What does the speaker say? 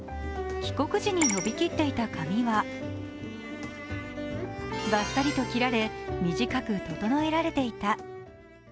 帰国時に伸びきっていた髪はばっさりと切られ短く整えられていた。